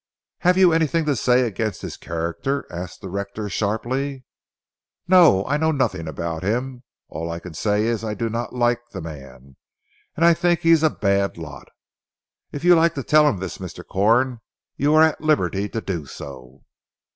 "Have you anything to say against his character?" asked the rector sharply. "No! I know nothing about him. All I can say is that I do not like the man, and I think he is a bad lot. If you like to tell him this Mr. Corn you are at liberty to do so."